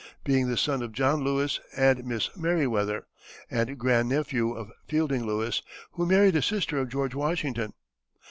being the son of John Lewis and Miss Meriwether, and grand nephew of Fielding Lewis, who married a sister of George Washington.